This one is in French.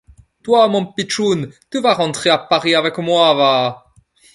Toi, mon pitchoun, tu vas rentrer à Paris avec moi, va.